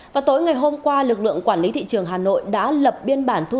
vào tối ngày hôm qua lực lượng quản lý thị trường hà nội đã lập biên bản thu